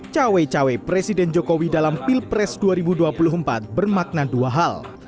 cawe cawe presiden jokowi dalam pilpres dua ribu dua puluh empat bermakna dua hal